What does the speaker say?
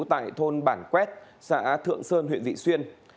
tại thôn bản quét xã thượng sơn huyện vị xuyên